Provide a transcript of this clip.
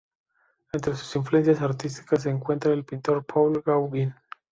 Entre sus influencias artísticas se encuentra el pintor Paul Gauguin.